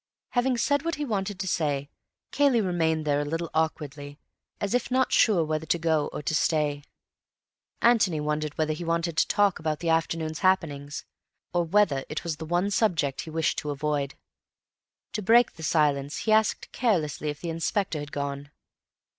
Having said what he wanted to say, Cayley remained there a little awkwardly, as if not sure whether to go or to stay. Antony wondered whether he wanted to talk about the afternoon's happenings, or whether it was the one subject he wished to avoid. To break the silence he asked carelessly if the Inspector had gone.